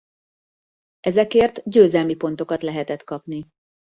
Ezekért győzelmi pontokat lehet kapni.